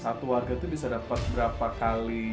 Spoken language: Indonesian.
satu warga itu bisa dapat berapa kali